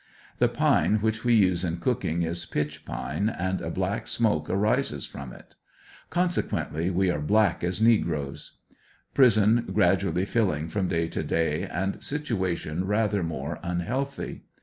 The pine which we use in cooking is pitch pine, and a black smoke arises from it; consequently we are black as nei^roes. Prison grad ually filling from day to day, and situation rather more unhealthy.